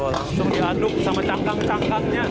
langsung diaduk sama cangkang cangkangnya